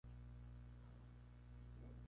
Amanecer: Ya es de día.